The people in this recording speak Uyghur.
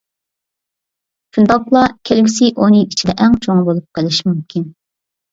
شۇنداقلا كەلگۈسى ئون يىل ئىچىدە ئەڭ چوڭى بولۇپ قېلىشى مۇمكىن .